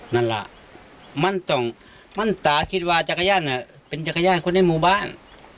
นั่นแหละมันต้องมั่นตาคิดว่าจักรยานเป็นจักรยานคนในหมู่บ้าน